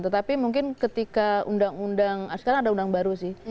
tetapi mungkin ketika undang undang sekarang ada undang baru sih